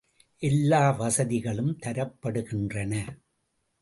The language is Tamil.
எல்லா வசதிகளும் தரப்படுகின்றன.